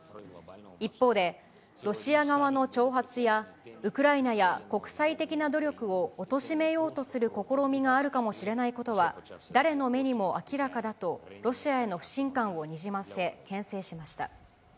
一方で、ロシア側の挑発や、ウクライナや国際的な努力をおとしめようとする試みがあるかもしれないことは、誰の目にも明らかだと、ロシアへの不信感をにじませ、けん制しました。